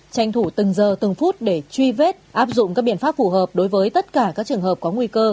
tranh thủ từng giờ từng phút để truy vết áp dụng các biện pháp phù hợp đối với tất cả các trường hợp có nguy cơ